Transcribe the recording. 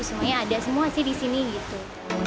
semuanya ada semua sih di sini gitu